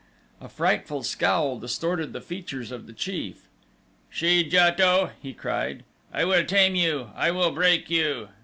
A frightful scowl distorted the features of the chief. "She JATO!" he cried. "I will tame you! I will break you!